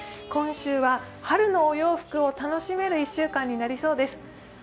今週は春のお洋服を楽しめる１週間になりそうです。